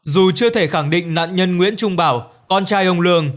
dù chưa thể khẳng định nạn nhân nguyễn trung bảo con trai ông lương